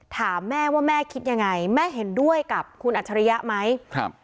ถามแม่ว่าแม่คิดยังไงแม่เห็นด้วยกับคุณอัจฉริยะไหมครับ